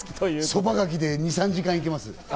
そばがきで２３時間いけます。